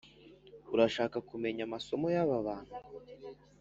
urashaka kumena amaso y aba bantu